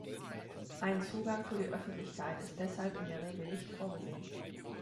Ein Zugang für die Öffentlichkeit ist deshalb in der Regel nicht vorgesehen.